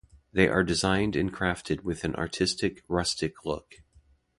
They are designed and crafted with an artistic rustic look.